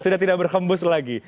sudah tidak berhembus lagi